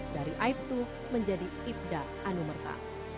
dari aibtu menjadi ibda anumerta